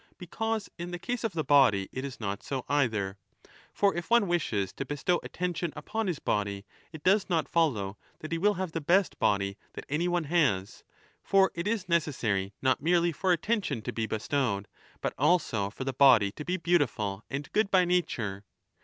Because in the case of the body it is not so either. For if one wishes to bestow attention upon his body, it does not follow that he will have the best body .that any one 25 has. For it is necessary not merely for attention to be bestowed, but also for the body to be beautiful and good by nature.